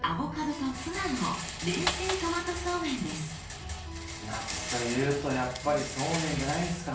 こちらは夏というとやっぱりそうめんじゃないですか。